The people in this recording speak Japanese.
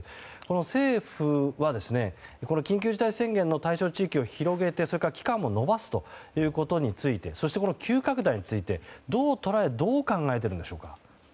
政府は緊急事態宣言の対象地域を広げて期間も伸ばすということについてそして急拡大について、どう捉えどう考えているんでしょうか。